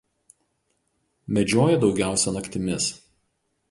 Medžioja daugiausia naktimis.